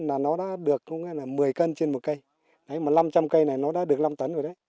là nó đã được một mươi cân trên một cây năm trăm linh cây này nó đã được năm tấn rồi đấy